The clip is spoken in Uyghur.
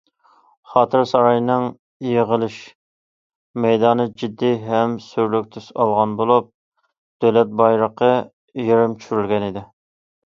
خاتىرە سارىيىنىڭ يىغىلىش مەيدانى جىددىي ھەم سۈرلۈك تۈس ئالغان بولۇپ، دۆلەت بايرىقى يېرىم چۈشۈرۈلگەنىدى.